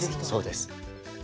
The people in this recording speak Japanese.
そうです。